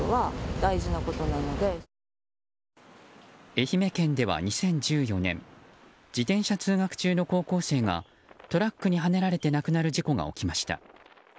愛媛県では２０１４年自転車通学中の高校生がトラックにはねられて亡くなる事故が起きました。